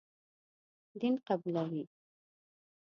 دین قبولوي.